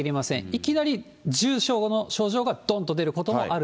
いきなり重症の症状がどんと出ることもある。